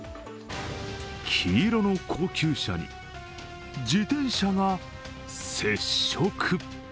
黄色の高級車に、自転車が接触。